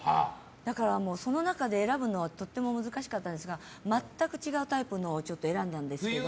だから、その中で選ぶのはとても難しかったんですが全く違うタイプのを選んだんですけど。